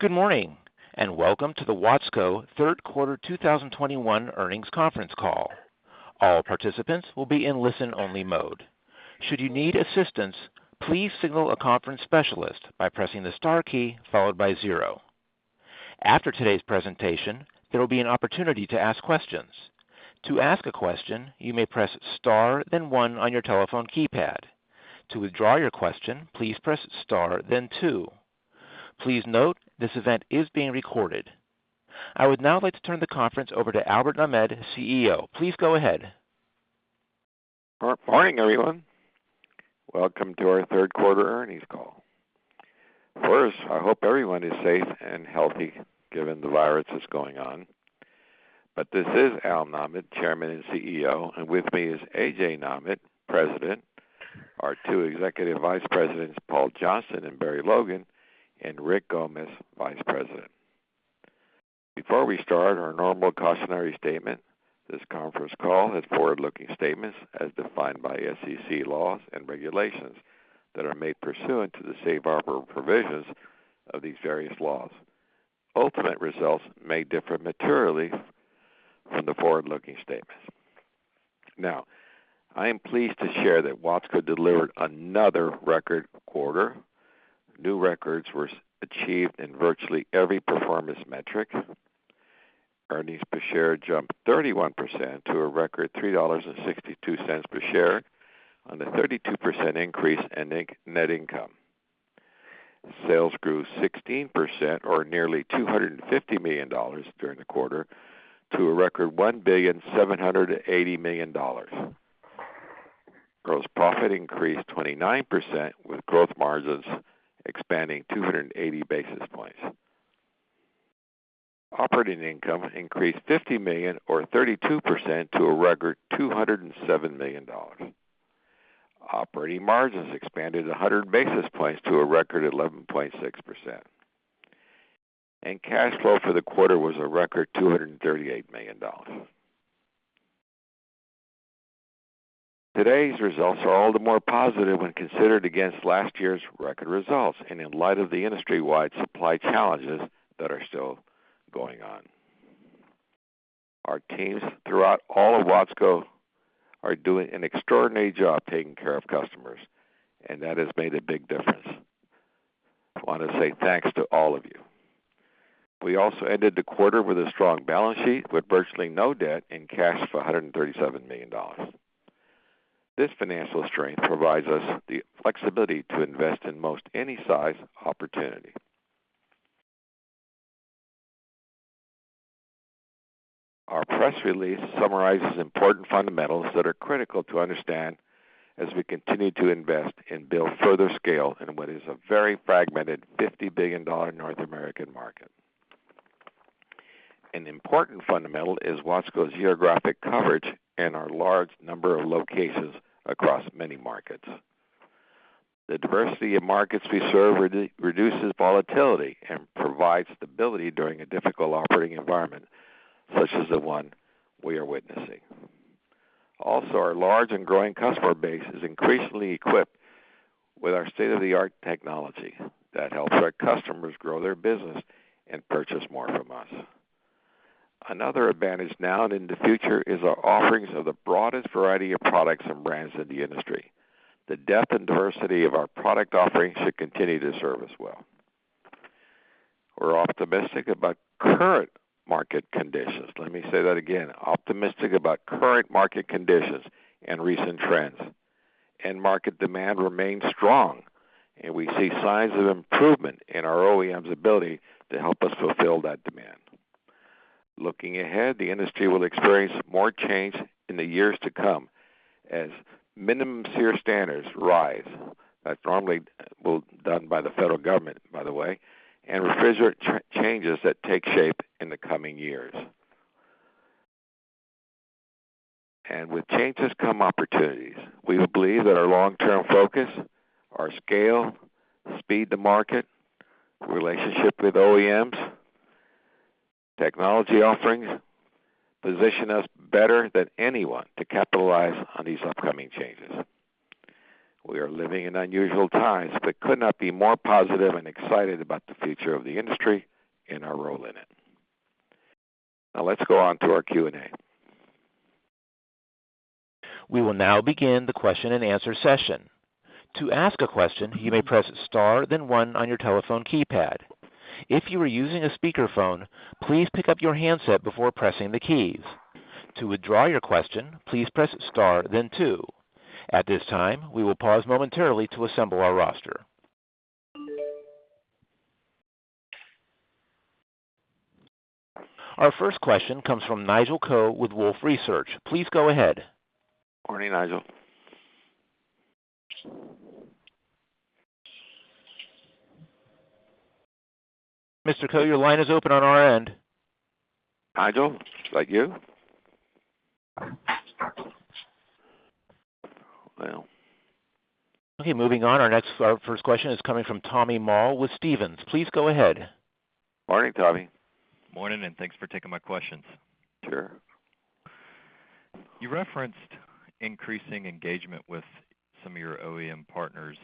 Good morning, and welcome to the Watsco Third Quarter 2021 Earnings Conference Call. All participants will be in listen-only mode. Should you need assistance, please signal a conference specialist by pressing the star key followed by zero. After today's presentation, there will be an opportunity to ask questions. To ask a question, you may press star then one on your telephone keypad. To withdraw your question, please press star then two. Please note, this event is being recorded. I would now like to turn the conference over to Albert Nahmad, CEO. Please go ahead. Good morning, everyone. Welcome to our third quarter earnings call. First, I hope everyone is safe and healthy given the virus that's going on. This is Al Nahmad, Chairman and CEO, and with me is A.J. Nahmad, President, our two Executive Vice Presidents, Paul Johnston and Barry Logan, and Rick Gomez, Vice President. Before we start, our normal cautionary statement, this conference call has forward-looking statements as defined by SEC laws and regulations that are made pursuant to the Safe Harbor provisions of these various laws. Ultimate results may differ materially from the forward-looking statements. Now, I am pleased to share that Watsco delivered another record quarter. New records were achieved in virtually every performance metric. Earnings per share jumped 31% to a record $3.62 per share on a 32% increase in net income. Sales grew 16%, or nearly $250 million during the quarter, to a record $1.78 billion. Gross profit increased 29%, with gross margins expanding 280 basis points. Operating income increased $50 million or 32% to a record $207 million. Operating margins expanded 100 basis points to a record 11.6%. Cash flow for the quarter was a record $238 million. Today's results are all the more positive when considered against last year's record results and in light of the industry-wide supply challenges that are still going on. Our teams throughout all of Watsco are doing an extraordinary job taking care of customers, and that has made a big difference. I want to say thanks to all of you. We also ended the quarter with a strong balance sheet with virtually no debt and cash of $137 million. This financial strength provides us the flexibility to invest in most any size opportunity. Our press release summarizes important fundamentals that are critical to understand as we continue to invest and build further scale in what is a very fragmented $50 billion North American market. An important fundamental is Watsco's geographic coverage and our large number of locations across many markets. The diversity of markets we serve reduces volatility and provides stability during a difficult operating environment such as the one we are witnessing. Also, our large and growing customer base is increasingly equipped with our state-of-the-art technology that helps our customers grow their business and purchase more from us. Another advantage now and in the future is our offerings of the broadest variety of products and brands in the industry. The depth and diversity of our product offerings should continue to serve us well. We're optimistic about current market conditions. Let me say that again. Optimistic about current market conditions and recent trends. End market demand remains strong, and we see signs of improvement in our OEM's ability to help us fulfill that demand. Looking ahead, the industry will experience more change in the years to come as minimum SEER standards rise. That's normally done by the federal government, by the way, and refrigerant changes that take shape in the coming years. With changes come opportunities. We believe that our long-term focus, our scale, speed to market, relationship with OEMs, technology offerings, position us better than anyone to capitalize on these upcoming changes. We are living in unusual times but could not be more positive and excited about the future of the industry and our role in it. Now let's go on to our Q&A. We will now begin the question and answer session. To ask a question, you may press star then one on your telephone keypad. If you are using a speakerphone, please pick up your handset before pressing the keys. To withdraw your question, please press star then two. At this time, we will pause momentarily to assemble our roster. Our first question comes from Nigel Coe with Wolfe Research. Please go ahead. Morning, Nigel. Mr. Coe, your line is open on our end. Nigel, how about you? Well. Okay, moving on. Our first question is coming from Tommy Moll with Stephens. Please go ahead. Morning, Tommy. Morning, thanks for taking my questions. Sure. You referenced increasing engagement with some of your OEM partners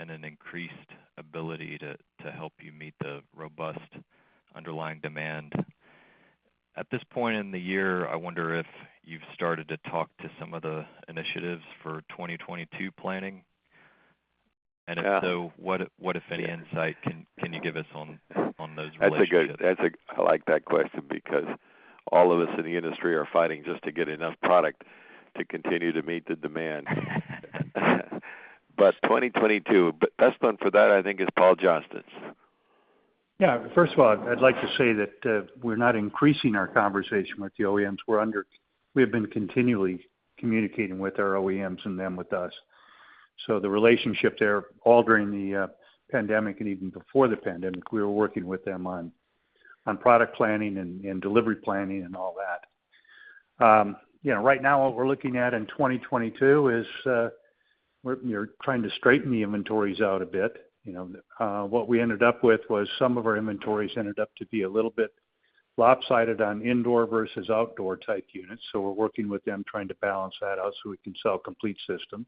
and an increased ability to help you meet the robust underlying demand. At this point in the year, I wonder if you've started to talk to some of the initiatives for 2022 planning. Yeah. If so, what, if any, insight can you give us on those relationships? I like that question because all of us in the industry are fighting just to get enough product to continue to meet the demand. 2022, best one for that, I think, is Paul Johnston's. Yeah. First of all, I'd like to say that we're not increasing our conversation with the OEMs. We have been continually communicating with our OEMs and them with us. The relationship there, all during the pandemic and even before the pandemic, we were working with them on product planning and delivery planning and all that. Right now, what we're looking at in 2022 is we're trying to straighten the inventories out a bit. What we ended up with was some of our inventories ended up to be a little bit lopsided on indoor versus outdoor type units. We're working with them, trying to balance that out so we can sell complete systems.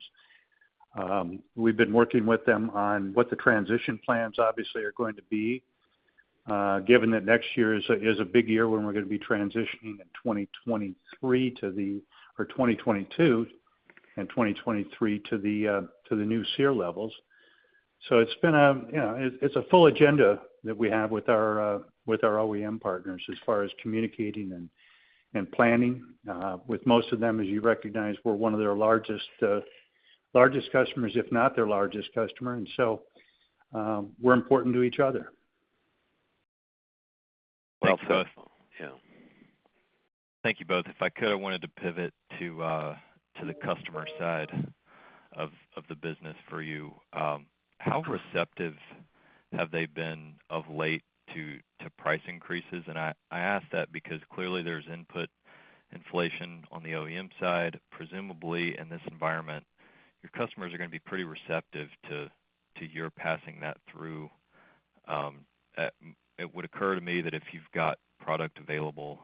We've been working with them on what the transition plans, obviously, are going to be, given that next year is a big year when we're going to be transitioning in 2022 and 2023 to the new SEER levels. It's a full agenda that we have with our OEM partners as far as communicating and planning. With most of them, as you recognize, we're one of their largest customers, if not their largest customer. We're important to each other. Well said. That's helpful. Yeah. Thank you, both. If I could, I wanted to pivot to the customer side of the business for you. How receptive have they been of late to price increases? I ask that because clearly there's input inflation on the OEM side. Presumably, in this environment, your customers are going to be pretty receptive to your passing that through. It would occur to me that if you've got product available,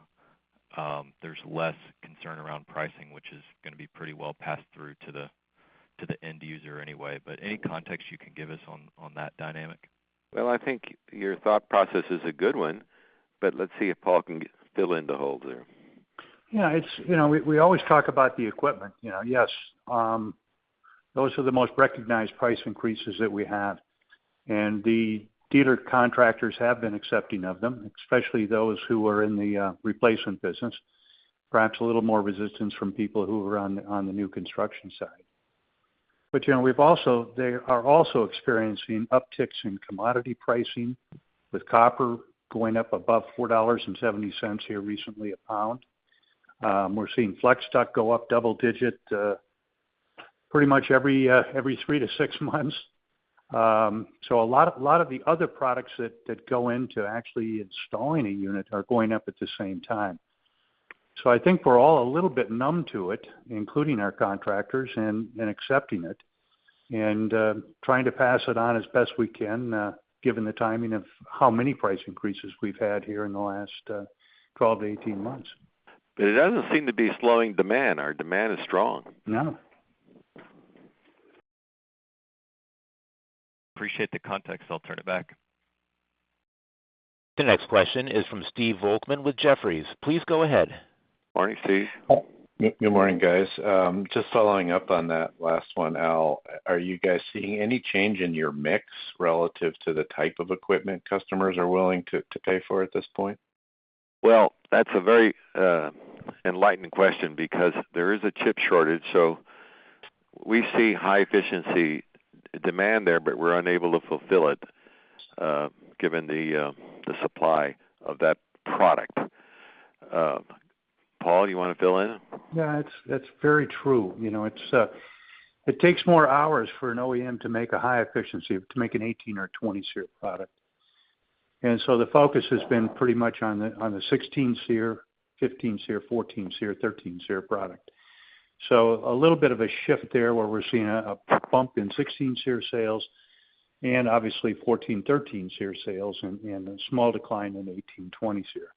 there's less concern around pricing, which is going to be pretty well passed through to the end user anyway. Any context you can give us on that dynamic? Well, I think your thought process is a good one, but let's see if Paul can fill in the holes there. We always talk about the equipment. Those are the most recognized price increases that we have, and the dealer contractors have been accepting of them, especially those who are in the replacement business. Perhaps a little more resistance from people who are on the new construction side. They are also experiencing upticks in commodity pricing with copper going up above $4.70 here recently, a pound. We're seeing flex duct go up double-digit pretty much every three to six months. A lot of the other products that go into actually installing a unit are going up at the same time. I think we're all a little bit numb to it, including our contractors, and accepting it, and trying to pass it on as best we can given the timing of how many price increases we've had here in the last 12-18 months. It doesn't seem to be slowing demand. Our demand is strong. No. Appreciate the context. I'll turn it back. The next question is from Stephen Volkmann with Jefferies. Please go ahead. Morning, Steve. Good morning, guys. Just following up on that last one, Al, are you guys seeing any change in your mix relative to the type of equipment customers are willing to pay for at this point? Well, that's a very enlightening question because there is a chip shortage, so we see high efficiency demand there, but we're unable to fulfill it given the supply of that product. Paul, you want to fill in? Yeah. That's very true. It takes more hours for an OEM to make a high efficiency, to make an 18 or 20 SEER product. The focus has been pretty much on the 16 SEER, 15 SEER, 14 SEER, 13 SEER product. A little bit of a shift there where we're seeing a bump in 16 SEER sales and obviously 14-13 SEER sales, and a small decline in 18-20 SEER.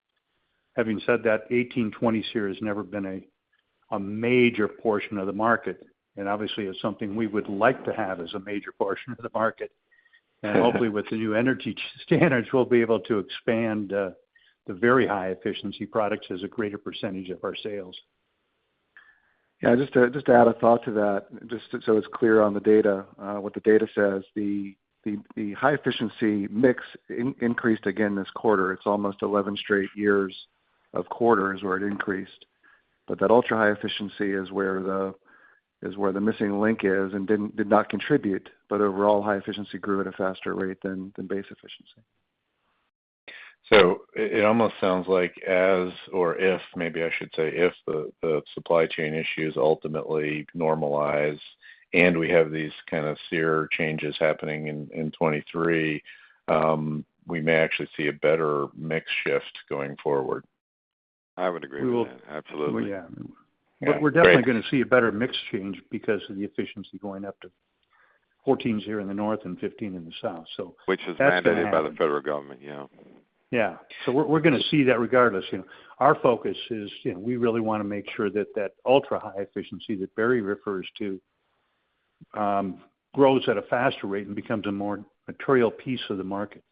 Having said that, 18-20 SEER has never been a major portion of the market, and obviously is something we would like to have as a major portion of the market. Hopefully with the new energy standards, we'll be able to expand the very high efficiency products as a greater percentage of our sales. Yeah, just to add a thought to that, just so it's clear on the data, what the data says, the high efficiency mix increased again this quarter. It's almost 11 straight years of quarters where it increased. That ultra high efficiency is where the missing link is and did not contribute. Overall, high efficiency grew at a faster rate than base efficiency. It almost sounds like as or if, maybe I should say if the supply chain issues ultimately normalize and we have these kind of SEER changes happening in 2023, we may actually see a better mix shift going forward. I would agree with that. Absolutely. We're definitely going to see a better mix change because of the efficiency going up to 14 here in the north and 15 in the south. Which is mandated by the federal government, yeah. Yeah. We're going to see that regardless. Our focus is, we really want to make sure that that ultra-high efficiency that Barry refers to grows at a faster rate and becomes a more material piece of the market.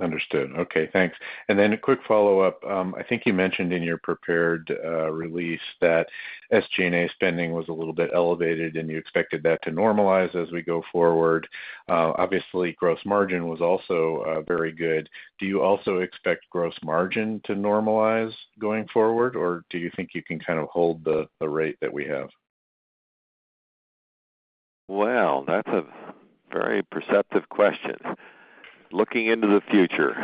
Understood. Okay, thanks. Then a quick follow-up. I think you mentioned in your prepared release that SG&A spending was a little bit elevated, and you expected that to normalize as we go forward. Obviously, gross margin was also very good. Do you also expect gross margin to normalize going forward, or do you think you can kind of hold the rate that we have? Well, that's a very perceptive question. Looking into the future.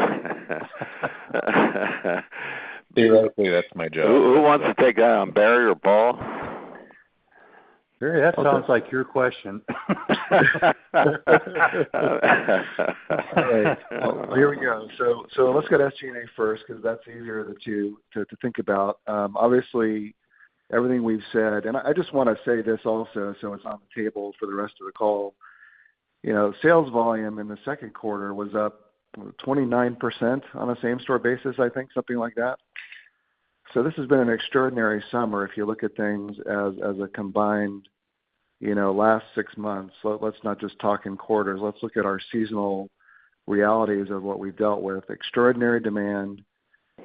Theoretically, that's my job. Who wants to take that on, Barry or Paul? Barry, that sounds like your question. All right. Well, here we go. Let's go to SG&A first, because that's easier to think about. Obviously, everything we've said. I just want to say this also, so it's on the table for the rest of the call. Sales volume in the second quarter was up 29% on a same-store basis, I think, something like that. This has been an extraordinary summer, if you look at things as a combined last six months. Let's not just talk in quarters. Let's look at our seasonal realities of what we've dealt with. Extraordinary demand,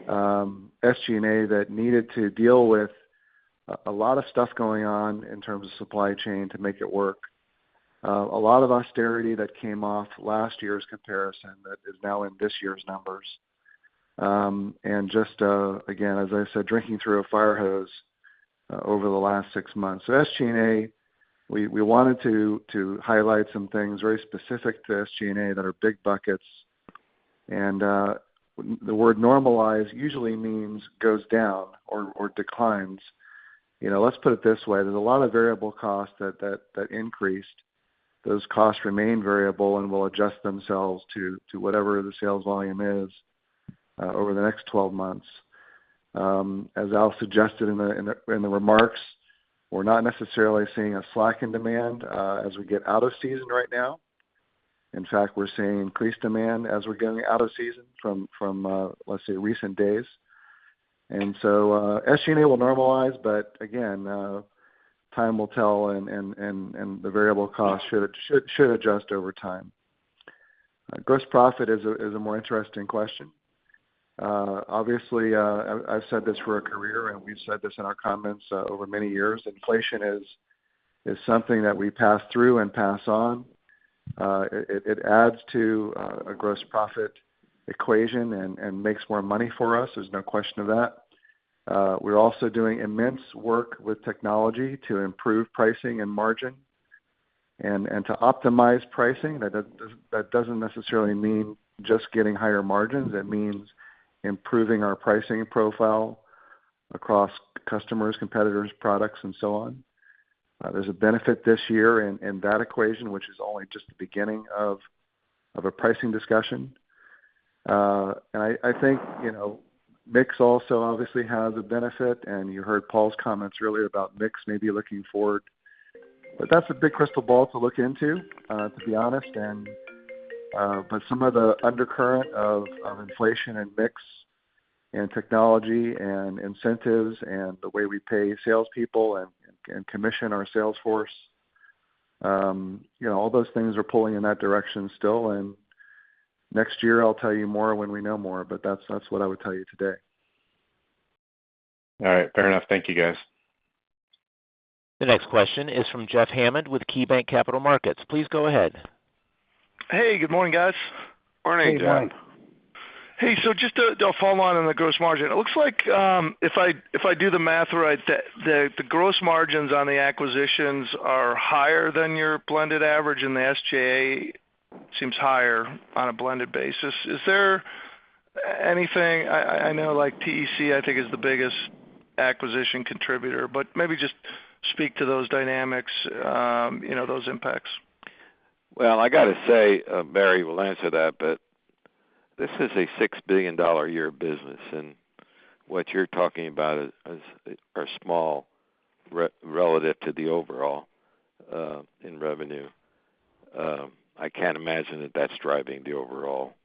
SG&A that needed to deal with a lot of stuff going on in terms of supply chain to make it work. A lot of austerity that came off last year's comparison that is now in this year's numbers. Just, again, as I said, drinking through a fire hose over the last six months. SG&A, we wanted to highlight some things very specific to SG&A that are big buckets. The word normalize usually means goes down or declines. Let's put it this way. There's a lot of variable costs that increased. Those costs remain variable and will adjust themselves to whatever the sales volume is over the next 12 months. As Al suggested in the remarks, we're not necessarily seeing a slack in demand as we get out of season right now. In fact, we're seeing increased demand as we're getting out of season from, let's say, recent days. SG&A will normalize, but again, time will tell and the variable cost should adjust over time. Gross profit is a more interesting question. Obviously, I've said this for a career, and we've said this in our comments over many years, inflation is something that we pass through and pass on. It adds to a gross profit equation and makes more money for us. There's no question of that. We're also doing immense work with technology to improve pricing and margin and to optimize pricing. That doesn't necessarily mean just getting higher margins. That means improving our pricing profile across customers, competitors, products, and so on. There's a benefit this year in that equation, which is only just the beginning of a pricing discussion. I think mix also obviously has a benefit, and you heard Paul's comments earlier about mix maybe looking forward. That's a big crystal ball to look into, to be honest. Some of the undercurrent of inflation and mix and technology and incentives and the way we pay salespeople and commission our sales force, all those things are pulling in that direction still. Next year, I'll tell you more when we know more, but that's what I would tell you today. All right. Fair enough. Thank you, guys. The next question is from Jeff Hammond with KeyBanc Capital Markets. Please go ahead. Hey, good morning, guys. Morning, Jeff. Hey, John. Hey, just a follow-on the gross margin. It looks like, if I do the math right, that the gross margins on the acquisitions are higher than your blended average, and the SG&A seems higher on a blended basis. Is there anything, I know TEC, I think, is the biggest acquisition contributor, but maybe just speak to those dynamics, those impacts? Well, I got to say, Barry will answer that, but this is a $6 billion a year business, and what you're talking about are small, relative to the overall in revenue. I can't imagine that that's driving the overall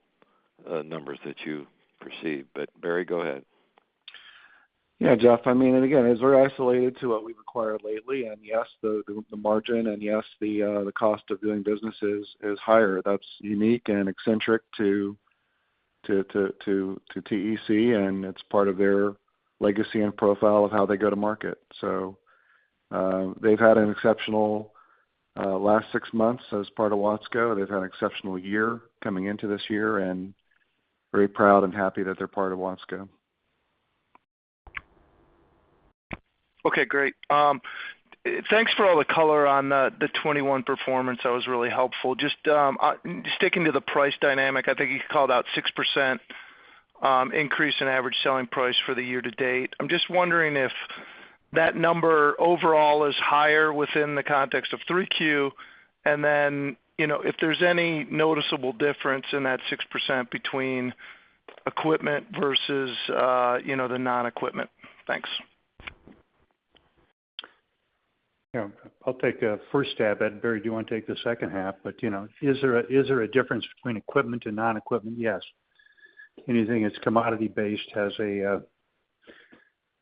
numbers that you perceive. Barry, go ahead. Yeah, Jeff, I mean, again, as we're isolated to what we've acquired lately, yes, the margin, and yes, the cost of doing business is higher. That's unique and eccentric to TEC, it's part of their legacy and profile of how they go to market. They've had an exceptional last six months as part of Watsco. They've had an exceptional year coming into this year, very proud and happy that they're part of Watsco. Okay, great. Thanks for all the color on the 2021 performance. That was really helpful. Just sticking to the price dynamic, I think you called out 6% increase in average selling price for the year to date. I'm just wondering if that number overall is higher within the context of 3Q, and then if there's any noticeable difference in that 6% between equipment versus the non-equipment. Thanks. Yeah. I'll take a first stab at it. Barry, do you want to take the second half? Is there a difference between equipment and non-equipment? Yes. Anything that's commodity based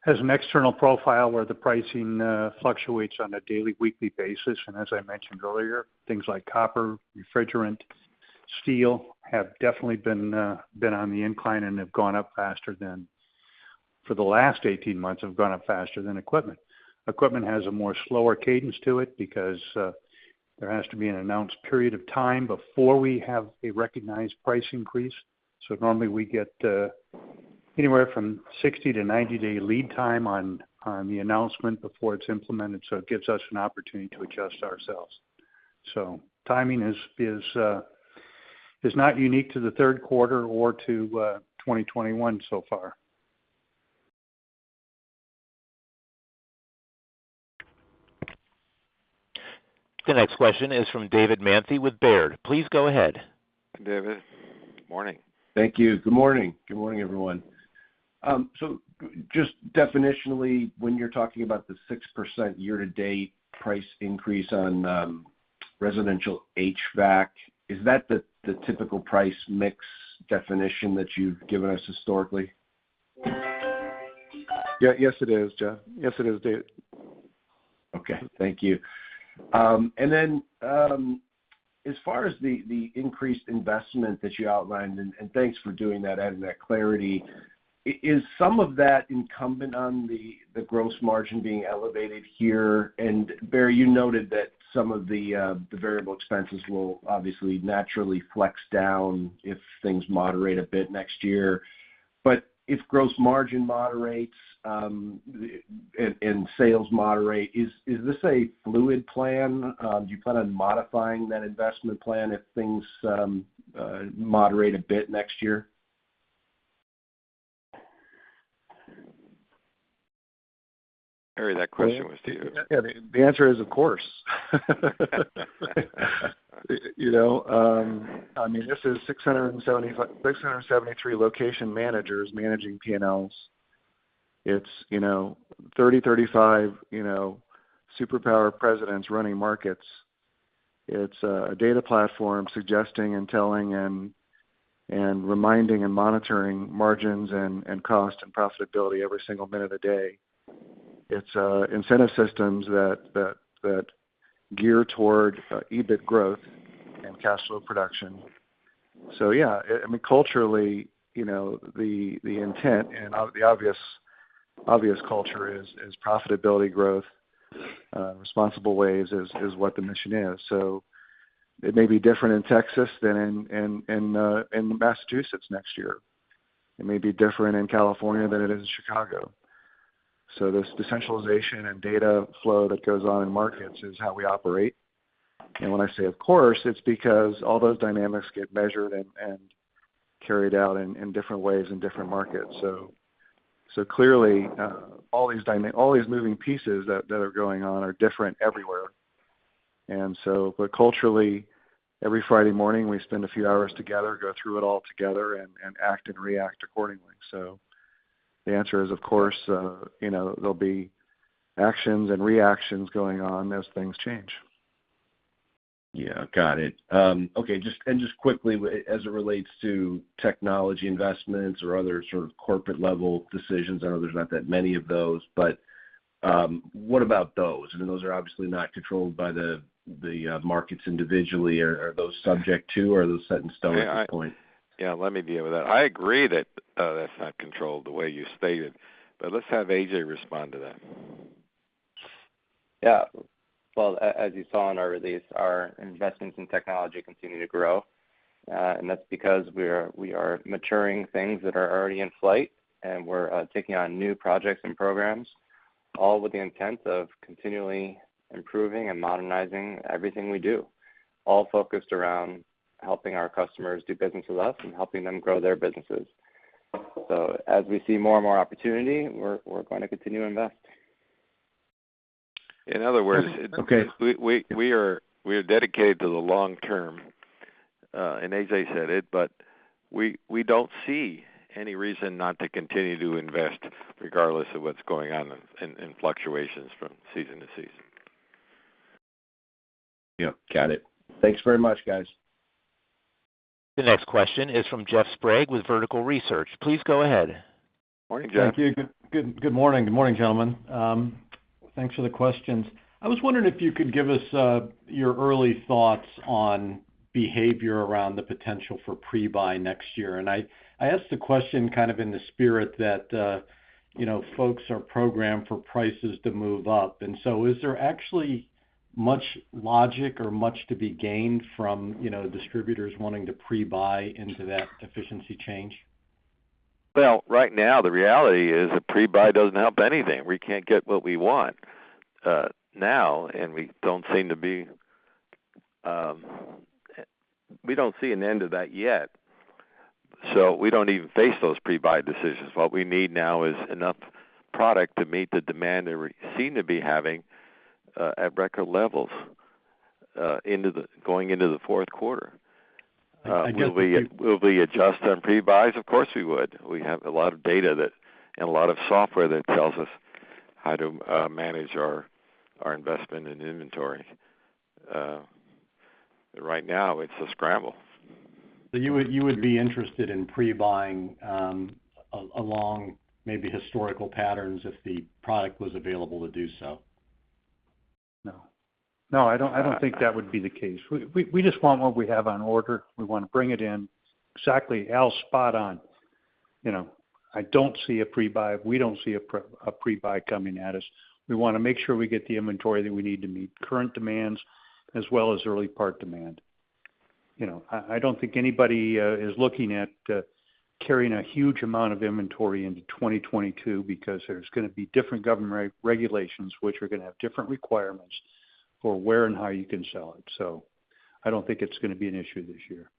has an external profile where the pricing fluctuates on a daily, weekly basis. As I mentioned earlier, things like copper, refrigerant, steel, have definitely been on the incline and have gone up faster than, for the last 18 months, have gone up faster than equipment. Equipment has a more slower cadence to it because there has to be an announced period of time before we have a recognized price increase. Normally we get anywhere from 60-90-day lead time on the announcement before it's implemented, so it gives us an opportunity to adjust ourselves. Timing is not unique to the third quarter or to 2021 so far. The next question is from David Manthey with Baird. Please go ahead. Hi, David. Good morning. Thank you. Good morning. Good morning, everyone. Just definitionally, when you're talking about the 6% year-to-date price increase on residential HVAC, is that the typical price mix definition that you've given us historically? Yes, it is, Jeff. Yes it is, David. Okay, thank you. As far as the increased investment that you outlined, and thanks for doing that, adding that clarity, is some of that incumbent on the gross margin being elevated here? Barry, you noted that some of the variable expenses will obviously naturally flex down if things moderate a bit next year. If gross margin moderates, and sales moderate, is this a fluid plan? Do you plan on modifying that investment plan if things moderate a bit next year? Barry, that question was to you. Yeah. The answer is, of course. This is 673 location managers managing P&Ls. It's 30-35 superpower presidents running markets. It's a data platform suggesting and telling and reminding and monitoring margins and cost and profitability every single minute of the day. It's incentive systems that gear toward EBIT growth and cash flow production. Yeah. Culturally, the intent and the obvious culture is profitability growth, responsible ways is what the mission is. It may be different in Texas than in Massachusetts next year. It may be different in California than it is in Chicago. This decentralization and data flow that goes on in markets is how we operate. When I say, "Of course," it's because all those dynamics get measured and carried out in different ways in different markets. Clearly, all these moving pieces that are going on are different everywhere. Culturally, every Friday morning, we spend a few hours together, go through it all together and act and react accordingly. The answer is, of course, there'll be actions and reactions going on as things change. Yeah. Got it. Okay. Just quickly, as it relates to technology investments or other sort of corporate level decisions, I know there's not that many of those, but what about those? Those are obviously not controlled by the markets individually. Are those subject, too, or are those set in stone at this point? Yeah, let me deal with that. I agree that's not controlled the way you stated, but let's have AJ respond to that. Yeah. Well, as you saw in our release, our investments in technology continue to grow. That's because we are maturing things that are already in flight, and we're taking on new projects and programs, all with the intent of continually improving and modernizing everything we do. All focused around helping our customers do business with us and helping them grow their businesses. As we see more and more opportunity, we're going to continue to invest. In other words- Okay We are dedicated to the long term. AJ said it, but we don't see any reason not to continue to invest regardless of what's going on in fluctuations from season to season. Yep, got it. Thanks very much, guys. The next question is from Jeff Sprague with Vertical Research. Please go ahead. Morning, Jeff. Thank you. Good morning. Good morning, gentlemen. Thanks for the questions. I was wondering if you could give us your early thoughts on behavior around the potential for pre-buy next year. I ask the question kind of in the spirit that folks are programmed for prices to move up. Is there actually much logic or much to be gained from distributors wanting to pre-buy into that efficiency change? Well, right now, the reality is a pre-buy doesn't help anything. We can't get what we want. Now, we don't see an end to that yet. We don't even face those pre-buy decisions. What we need now is enough product to meet the demand that we seem to be having, at record levels, going into the fourth quarter. Will we adjust our pre-buys? Of course, we would. We have a lot of data and a lot of software that tells us how to manage our investment and inventory. Right now, it's a scramble. You would be interested in pre-buying along maybe historical patterns if the product was available to do so? No. I don't think that would be the case. We just want what we have on order. We want to bring it in. Exactly, Al's spot on. I don't see a pre-buy. We don't see a pre-buy coming at us. We want to make sure we get the inventory that we need to meet current demands as well as early part demand. I don't think anybody is looking at carrying a huge amount of inventory into 2022 because there's going to be different government regulations which are going to have different requirements for where and how you can sell it. I don't think it's going to be an issue this year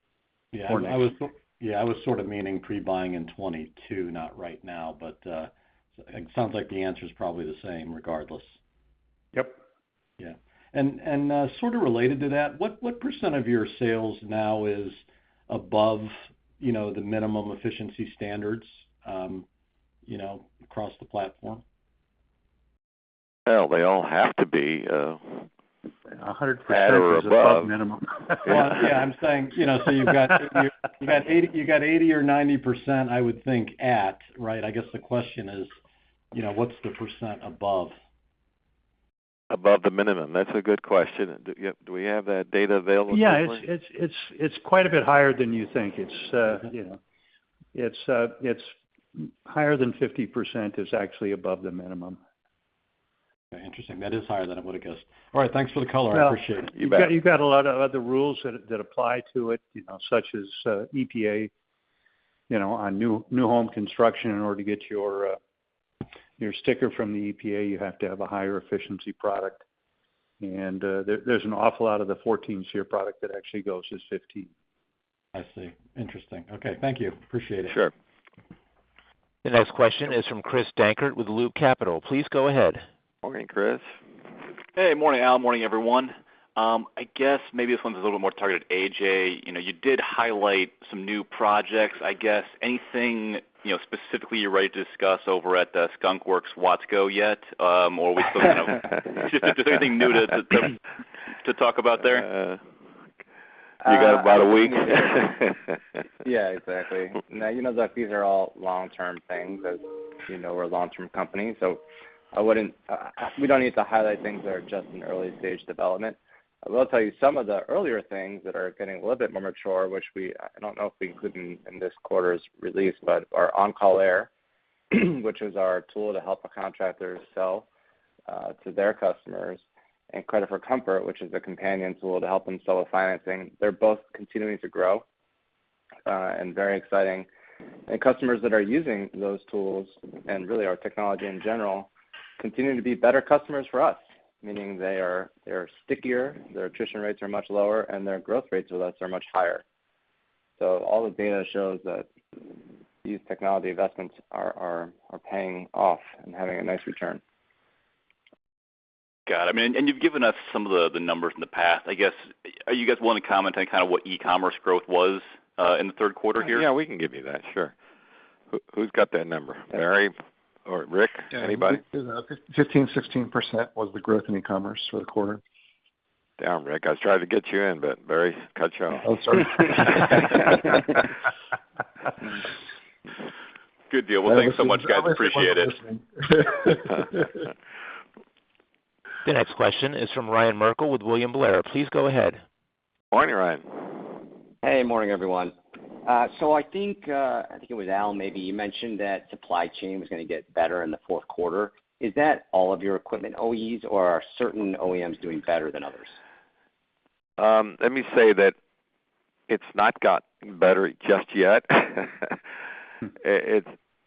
or next. Yeah. I was sort of meaning pre-buying in 2022, not right now, but it sounds like the answer is probably the same regardless. Yep. Yeah. Sort of related to that, what percent of your sales now is above the minimum efficiency standards across the platform? Well, they all have to be. 100% is above minimum. at or above. Yeah, I'm saying, you got 80% or 90%, I would think, at, right? I guess the question is, what's the percent above? Above the minimum. That's a good question. Do we have that data available, Paul? Yeah. It's quite a bit higher than you think. Higher than 50% is actually above the minimum. Interesting. That is higher than I would've guessed. All right. Thanks for the color. I appreciate it. You bet. You've got a lot of other rules that apply to it, such as EPA on new home construction. In order to get your sticker from the EPA, you have to have a higher efficiency product. There's an awful lot of the 14 SEER product that actually goes as 15. I see. Interesting. Okay. Thank you. Appreciate it. Sure. The next question is from Chris Dankert with Loop Capital. Please go ahead. Morning, Chris. Hey. Morning, Al. Morning, everyone. I guess maybe this one's a little more targeted at AJ. You did highlight some new projects. I guess anything specifically you're ready to discuss over at the Skunk Works Watsco yet? Just if there's anything new to talk about there? You got about a week. Yeah, exactly. No, you know that these are all long-term things. As you know, we're a long-term company, so we don't need to highlight things that are just in early-stage development. I will tell you some of the earlier things that are getting a little bit more mature, which I don't know if we include in this quarter's release, but our OnCall Air, which is our tool to help our contractors sell to their customers, and Credit for Comfort, which is the companion tool to help them sell the financing. They're both continuing to grow, and very exciting. Customers that are using those tools, and really our technology in general, continue to be better customers for us, meaning they are stickier, their attrition rates are much lower, and their growth rates with us are much higher. All the data shows that these technology investments are paying off and having a nice return. Got it. You've given us some of the numbers in the past. I guess, are you guys willing to comment on kind of what e-commerce growth was in the third quarter here? Yeah, we can give you that, sure. Who's got that number? Barry or Rick? Anybody? 15%-16% was the growth in e-commerce for the quarter. Damn, Rick, I was trying to get you in, but Barry cut you off. Oh, sorry. Good deal. Well, thanks so much, guys. Appreciate it. Always the quiet one listening. The next question is from Ryan Merkel with William Blair. Please go ahead. Morning, Ryan. Hey. Morning, everyone. I think it was Al, maybe, you mentioned that supply chain was going to get better in the fourth quarter. Is that all of your equipment OEMs, or are certain OEMs doing better than others? Let me say that it's not got better just yet.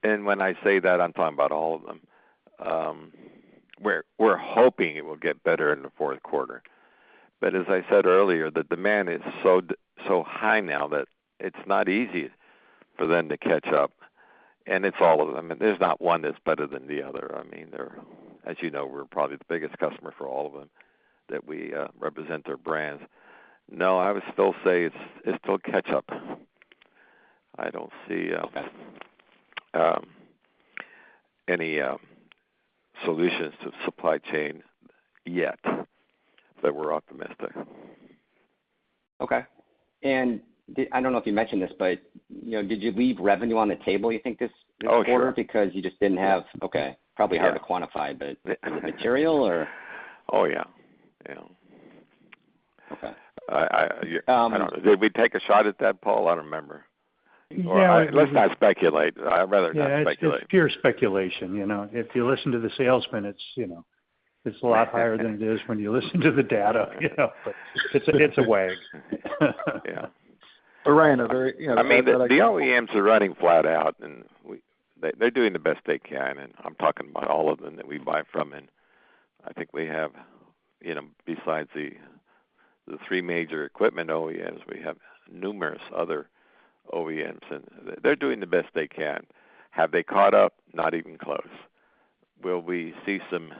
When I say that, I'm talking about all of them. We're hoping it will get better in the fourth quarter. As I said earlier, the demand is so high now that it's not easy for them to catch up. It's all of them, and there's not one that's better than the other. As you know, we're probably the biggest customer for all of them, that we represent their brands. No, I would still say it's still catch up. I don't see any solutions to supply chain yet, but we're optimistic. Okay. I don't know if you mentioned this, but did you leave revenue on the table, you think, this quarter? Oh, sure. Because you just didn't have, Okay, probably hard to quantify, but the material or? Oh, yeah. Okay. Did we take a shot at that, Paul? I don't remember. Yeah. Let's not speculate. I'd rather not speculate. Yeah, it's pure speculation. If you listen to the salesman, it's a lot higher than it is when you listen to the data. It's a way. Yeah. Ryan, I very. The OEMs are running flat out, and they're doing the best they can, and I'm talking about all of them that we buy from. I think we have, besides the three major equipment OEMs, we have numerous other OEMs, and they're doing the best they can. Have they caught up? Not even close. Will we see some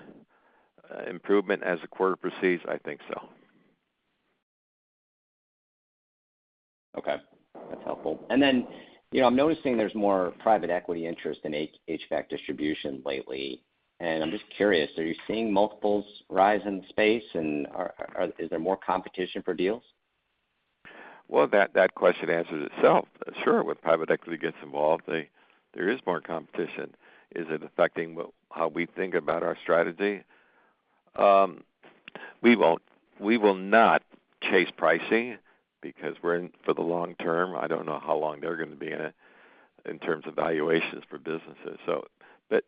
improvement as the quarter proceeds? I think so. Okay, that's helpful. I'm noticing there's more private equity interest in HVAC distribution lately, and I'm just curious, are you seeing multiples rise in the space? Is there more competition for deals? Well, that question answers itself. Sure. When private equity gets involved, there is more competition. Is it affecting how we think about our strategy? We will not chase pricing because we're in for the long term. I don't know how long they're going to be in it, in terms of valuations for businesses. There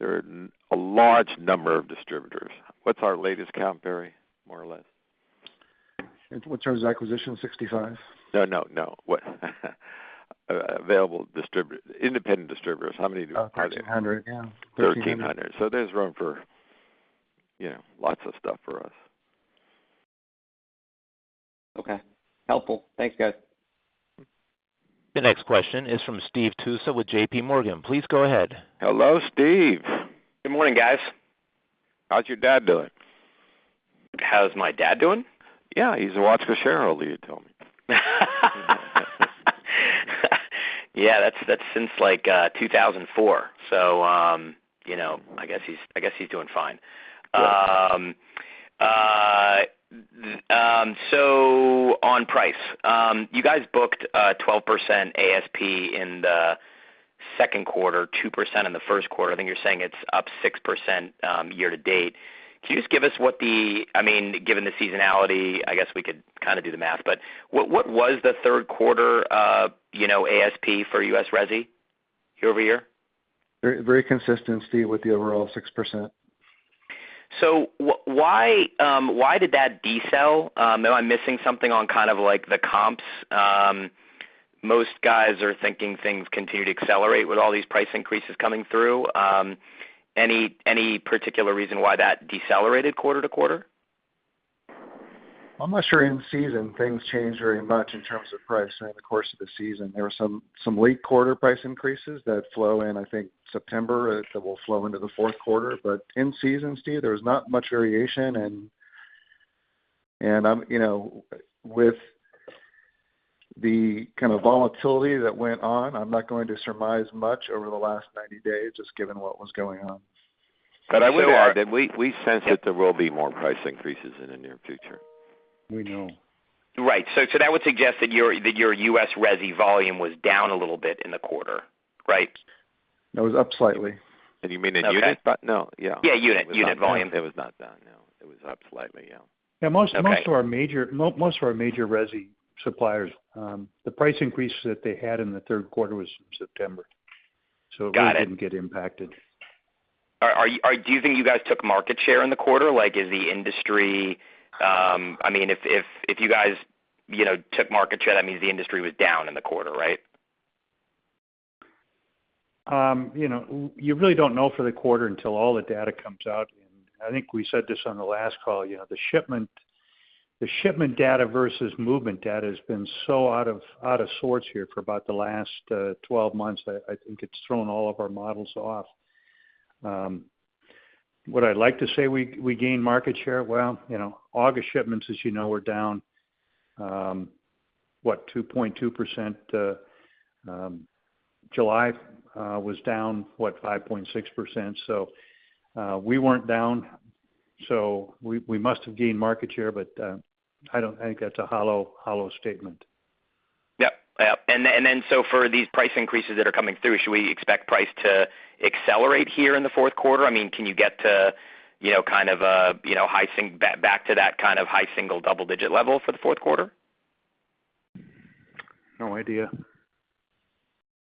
are a large number of distributors. What's our latest count, Barry, more or less? In terms of acquisition, 65. No, no. Available independent distributors, how many are there? 1,300, yeah. 1,300. There's room for lots of stuff for us. Okay. Helpful. Thanks, guys. The next question is from Steve Tusa with JPMorgan. Please go ahead. Hello, Steve. Good morning, guys. How's your dad doing? How's my dad doing? Yeah, he's a Watsco shareholder you told me. Yeah, that's since 2004. I guess he's doing fine. Good. On price. You guys booked a 12% ASP in the second quarter, 2% in the first quarter. I think you're saying it's up 6% year-to-date. Can you just give us Given the seasonality, I guess we could kind of do the math, but what was the third quarter ASP for U.S. Resi year-over-year? Very consistent, Steve, with the overall 6%. Why did that decel? Am I missing something on the comps? Most guys are thinking things continue to accelerate with all these price increases coming through. Any particular reason why that decelerated quarter-to-quarter? I'm not sure in season things change very much in terms of pricing in the course of the season. There were some late quarter price increases that flow in, I think September, that will flow into the fourth quarter. In season, Steve, there was not much variation. With the kind of volatility that went on, I'm not going to surmise much over the last 90 days, just given what was going on. I would add that we sense that there will be more price increases in the near future. We know. Right. That would suggest that your U.S. Resi volume was down a little bit in the quarter, right? No, it was up slightly. You mean in unit, but no, yeah. Yeah, unit volume. It was not down, no. It was up slightly, yeah. Yeah, most of our major Resi suppliers, the price increase that they had in the third quarter was September. Got it. We didn't get impacted. Do you think you guys took market share in the quarter? If you guys took market share, that means the industry was down in the quarter, right? You really don't know for the quarter until all the data comes out. I think we said this on the last call, the shipment data versus movement data has been so out of sorts here for about the last 12 months that I think it's thrown all of our models off. Would I like to say we gained market share? Well, August shipments as you know, were down, what, 2.2%? July was down, what, 5.6%? We weren't down, so we must have gained market share, but I think that's a hollow statement. Yep. For these price increases that are coming through, should we expect price to accelerate here in the fourth quarter? Can you get back to that kind of high single double digit level for the fourth quarter? No idea.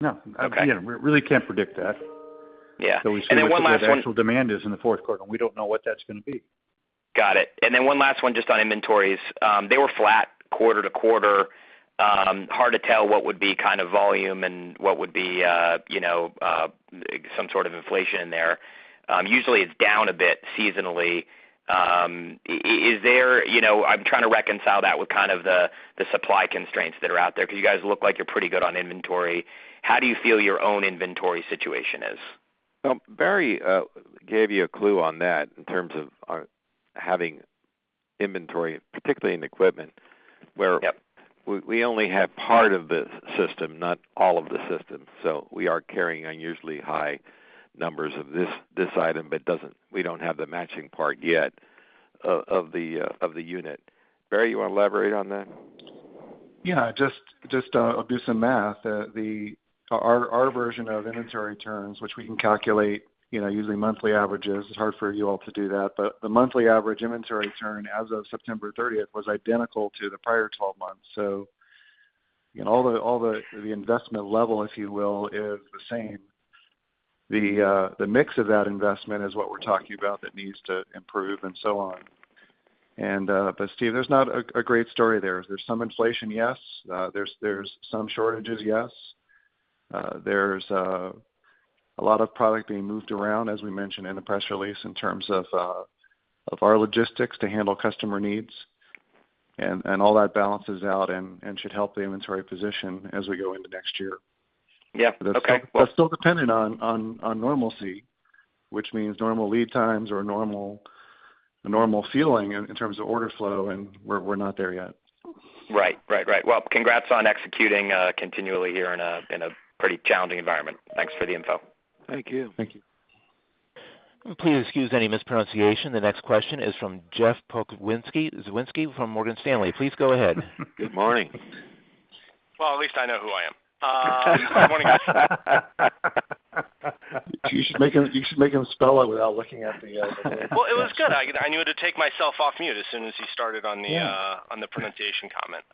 No. Okay. We really can't predict that. Yeah. Then one last one. Until we see what the actual demand is in the fourth quarter, and we don't know what that's going to be. Got it. Then one last one just on inventories. They were flat quarter to quarter. Hard to tell what would be volume and what would be some sort of inflation there. Usually, it's down a bit seasonally. I'm trying to reconcile that with kind of the supply constraints that are out there, because you guys look like you're pretty good on inventory. How do you feel your own inventory situation is? Well, Barry gave you a clue on that in terms of our having inventory, particularly in equipment, where- Yep We only have part of the system, not all of the system. We are carrying unusually high numbers of this item, but we don't have the matching part yet of the unit. Barry, you want to elaborate on that? Yeah, just do some math. Our version of inventory turns, which we can calculate using monthly averages. It's hard for you all to do that, the monthly average inventory turn as of September 30th was identical to the prior 12 months. All the investment level, if you will, is the same. The mix of that investment is what we're talking about that needs to improve and so on. Steve, there's not a great story there. There's some inflation, yes. There's some shortages, yes. There's a lot of product being moved around, as we mentioned in the press release, in terms of our logistics to handle customer needs. All that balances out and should help the inventory position as we go into next year. Yeah. Okay. Still dependent on normalcy, which means normal lead times or a normal feeling in terms of order flow, and we're not there yet. Right. Well, congrats on executing continually here in a pretty challenging environment. Thanks for the info. Thank you. Thank you. Please excuse any mispronunciation. The next question is from Josh Pokrzywinski from Morgan Stanley. Please go ahead. Good morning. Well, at least I know who I am. Good morning, guys. You should make him spell it without looking at the thing. It was good. I knew to take myself off mute as soon as you started on the pronunciation comment.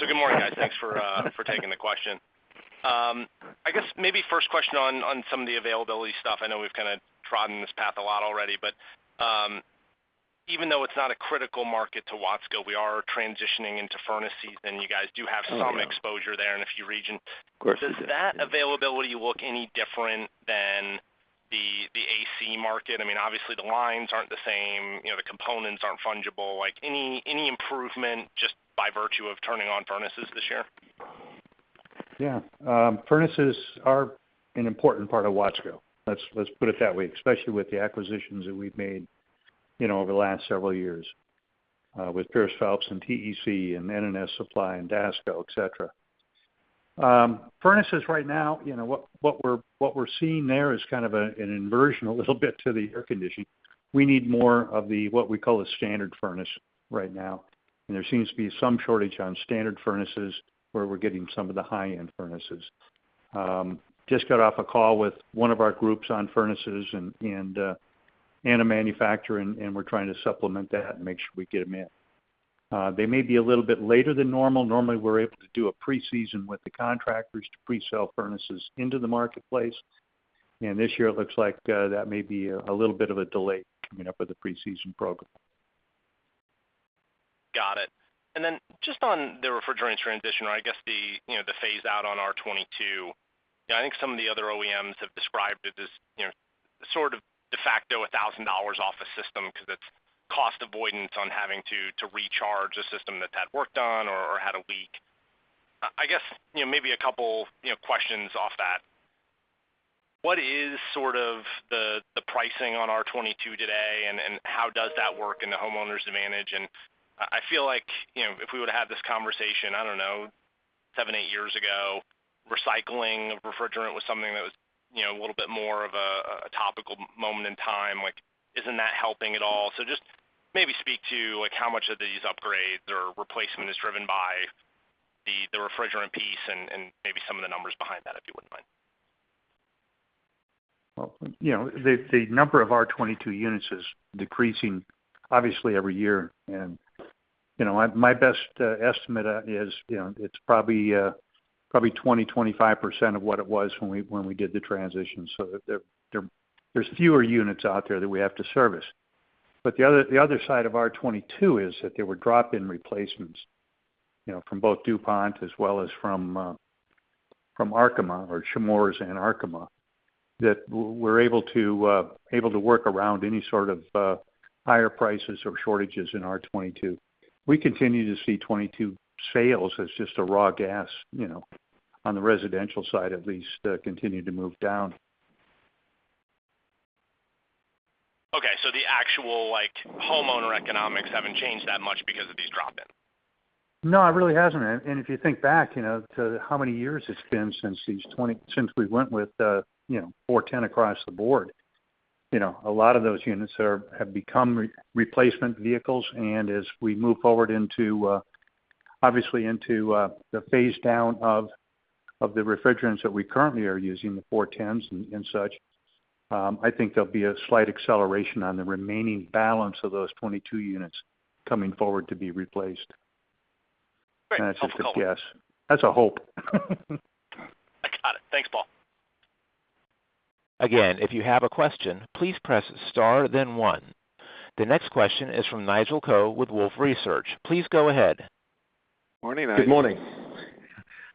Good morning, guys. Thanks for taking the question. I guess maybe first question on some of the availability stuff. I know we've kind of trodden this path a lot already, but, even though it's not a critical market to Watsco, we are transitioning into furnace season. You guys do have some exposure there in a few regions. Of course. Does that availability look any different than the AC market? Obviously, the lines aren't the same, the components aren't fungible. Any improvement just by virtue of turning on furnaces this year? Yeah. Furnaces are an important part of Watsco. Let's put it that way, especially with the acquisitions that we've made over the last several years, with Peirce-Phelps and TEC and N&S Supply and DASCO, et cetera. Furnaces right now, what we're seeing there is kind of an inversion a little bit to the air conditioning. We need more of the, what we call a standard furnace right now. There seems to be some shortage on standard furnaces where we're getting some of the high-end furnaces. Just got off a call with one of our groups on furnaces and a manufacturer, and we're trying to supplement that and make sure we get them in. They may be a little bit later than normal. Normally, we're able to do a preseason with the contractors to pre-sell furnaces into the marketplace. This year, it looks like there may be a little bit of a delay coming up with the preseason program. Got it. Then just on the refrigerants transition, or I guess the phase out on R22. I think some of the other OEMs have described it as sort of de facto $1,000 off a system because it's cost avoidance on having to recharge a system that's had work done or had a leak. I guess, maybe a couple questions off that. What is sort of the pricing on R22 today, and how does that work in the homeowner's advantage? I feel like, if we would've had this conversation, I don't know, 7-8 years ago, recycling of refrigerant was something that was a little bit more of a topical moment in time. Isn't that helping at all? Just maybe speak to how much of these upgrades or replacement is driven by the refrigerant piece and maybe some of the numbers behind that, if you wouldn't mind. Well, the number of R22 units is decreasing obviously every year. My best estimate is it's probably 20%-25% of what it was when we did the transition. There's fewer units out there that we have to service. The other side of R22 is that there were drop-in replacements from both DuPont as well as from Arkema or Chemours and Arkema, that we're able to work around any sort of higher prices or shortages in R22. We continue to see 22 sales as just a raw gas, on the residential side, at least, continue to move down. Okay. The actual homeowner economics haven't changed that much because of these drop-ins. No, it really hasn't. If you think back to how many years it's been since we went with the R-410A across the board. A lot of those units have become replacement vehicles, and as we move forward obviously into the phase down of the refrigerants that we currently are using, the 410s and such, I think there'll be a slight acceleration on the remaining balance of those 22 units coming forward to be replaced. Great. That's just a guess. That's a hope. I got it. Thanks, Paul. Again, if you have a question, please press star then one. The next question is from Nigel Coe with Wolfe Research. Please go ahead. Morning, Nigel. Good morning.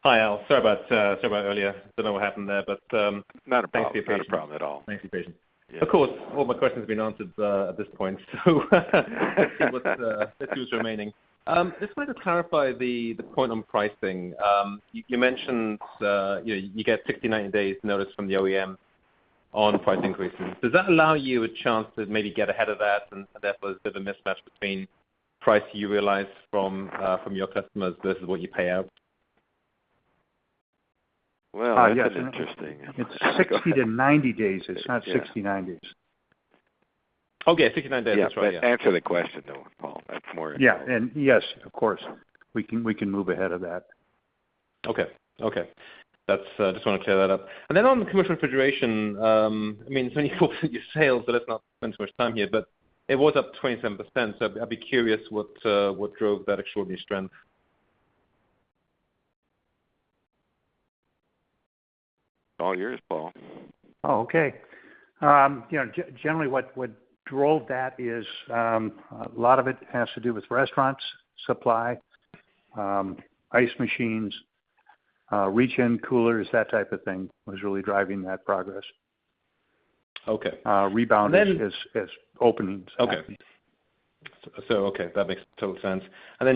Hi, Al. Sorry about earlier. Don't know what happened there. Not a problem. Not a problem at all. Thank you for your patience. Of course, all my questions have been answered at this point, so let's see what's remaining. Just wanted to clarify the point on pricing. You mentioned you get 60-90 days notice from the OEM on price increases. Does that allow you a chance to maybe get ahead of that and therefore there's a bit of a mismatch between price you realize from your customers versus what you pay out? Well, that's interesting. It's 60-90 days. It's not 69 days. Okay. 60-90 days. That's right, yeah. Answer the question though, Paul. That's more important. Yes, of course. We can move ahead of that. Okay. Just wanted to clear that up. On the commercial refrigeration, when you go through your sales, let's not spend too much time here, but it was up 27%, so I'd be curious what drove that extraordinary strength. All yours, Paul. Oh, okay. Generally what drove that is a lot of it has to do with restaurants supply. Ice machines, reach-in coolers, that type of thing was really driving that progress. Okay rebound as open. Okay. That makes total sense.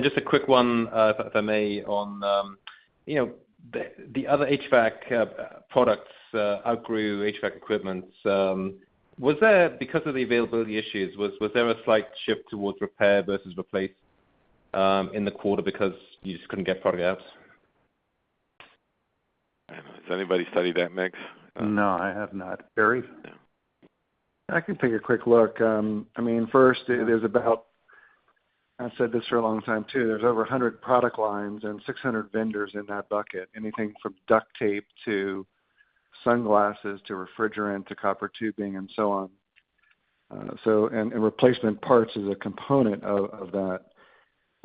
Just a quick one, if I may, on the other HVAC products outgrew HVAC equipment. Because of the availability issues, was there a slight shift towards repair versus replace in the quarter because you just couldn't get product out? I don't know. Has anybody studied that mix? No, I have not. Barry? I can take a quick look. First, it is about, I said this for a long time, too, there's over 100 product lines and 600 vendors in that bucket. Anything from duct tape to sunglasses, to refrigerant, to copper tubing, and so on. Replacement parts is a component of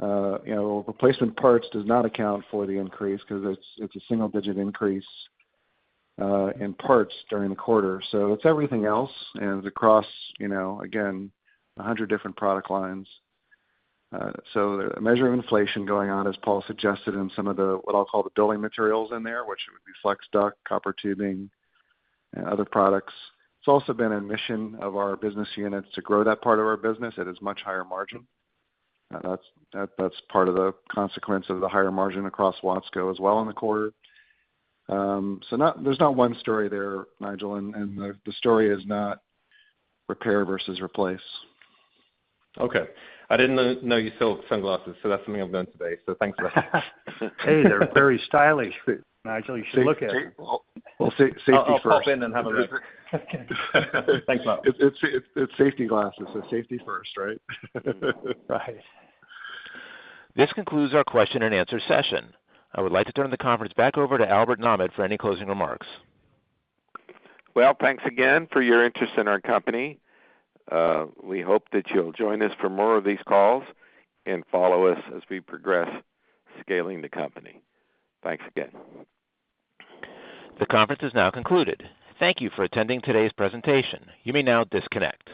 that. Replacement parts does not account for the increase because it's a single-digit increase in parts during the quarter. It's everything else and across again 100 different product lines. A measure of inflation going on, as Paul suggested, in some of the, what I'll call the building materials in there, which would be flex duct, copper tubing, and other products. It's also been a mission of our business units to grow that part of our business at as much higher margin. That's part of the consequence of the higher margin across Watsco as well in the quarter. There's not one story there, Nigel, and the story is not repair versus replace. Okay. I didn't know you sold sunglasses, so that's something I've learned today. Thanks for that. Hey, they're very stylish, Nigel. You should look at it. Well, safety first. I'll pop in and have a look. Thanks, Paul. It's safety glasses, so safety first, right? Right. This concludes our question and answer session. I would like to turn the conference back over to Albert Nahmad for any closing remarks. Well, thanks again for your interest in our company. We hope that you'll join us for more of these calls and follow us as we progress scaling the company. Thanks again. The conference is now concluded. Thank you for attending today's presentation. You may now disconnect.